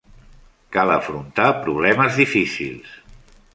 Cal afrontar problemes difícils.